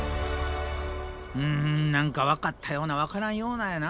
うん何か分かったような分からんようなやな